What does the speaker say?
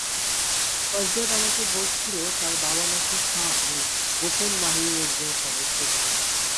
ফারজাদ আমাকে বলেছিল তার বাবা নাকি শাহ-এর গোপন বাহিনীর একজন সদস্য ছিল।